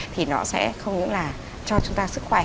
thì nó sẽ không những là cho chúng ta sức khỏe